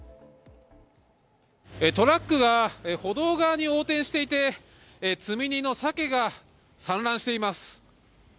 トラックが歩道側に横転していて、積み荷のサケが散乱しています。